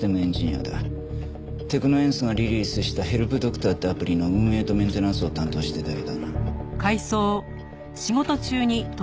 テクノエンスがリリースしたヘルプドクターってアプリの運営とメンテナンスを担当していたようだな。